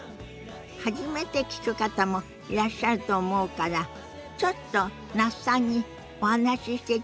初めて聞く方もいらっしゃると思うからちょっと那須さんにお話ししていただきましょ。